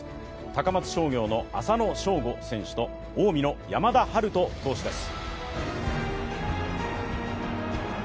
高松商業の浅野翔吾選手と近江の山田陽翔投手です。